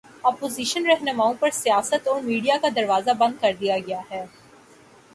Opposition راہنماؤں پر سیاست اور میڈیا کا دروازہ بند کر دیا گیا ہے۔